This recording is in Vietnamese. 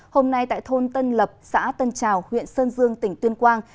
hôm nay tại thôn tân lập xã tân trào huyện sơn dương tỉnh tuyên quang